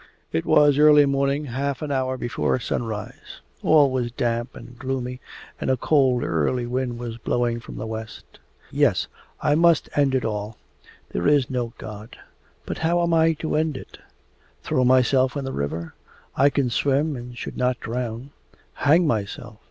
It was early morning, half an hour before sunrise. All was damp and gloomy and a cold early wind was blowing from the west. 'Yes, I must end it all. There is no God. But how am I to end it? Throw myself into the river? I can swim and should not drown. Hang myself?